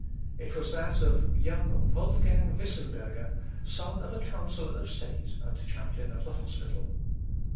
It was that of young Wolfgang Wissemberger, son of a counsellor of state and chaplain of the hospital.